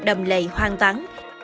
đầm lệ hoang tắn